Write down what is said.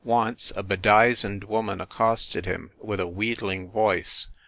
Once a bedizened woman accosted him with a wheedling voice.